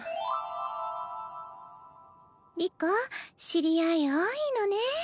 知り合い多いのね。